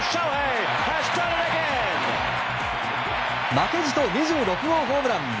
負けじと２６号ホームラン。